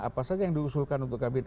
apa saja yang diusulkan untuk kabinet